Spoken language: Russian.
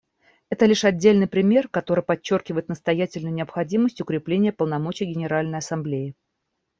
Это лишь отдельный пример, который подчеркивает настоятельную необходимость укрепления полномочий Генеральной Ассамблеи.